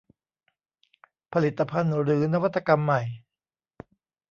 ผลิตภัณฑ์หรือนวัตกรรมใหม่